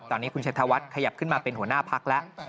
ตอนนี้คุณชัยธวัฒน์ขยับขึ้นมาเป็นหัวหน้าพักแล้ว